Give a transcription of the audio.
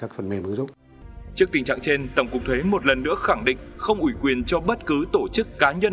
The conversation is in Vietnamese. trước tình trạng trên tổng cục thuế một lần nữa khẳng định không ủi quyền cho bất cứ tổ chức cá nhân